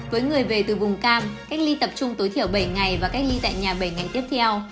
với người về từ vùng cam cách ly tập trung tối thiểu bảy ngày và cách ly tại nhà bảy ngày tiếp theo